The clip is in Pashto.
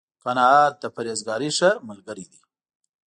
قناعت، د پرهېزکارۍ ښه ملګری دی